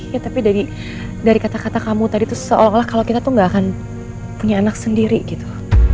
ya tapi dari kata kata kamu tadi tuh seolah olah kalau kita tuh gak akan punya anak sendiri gitu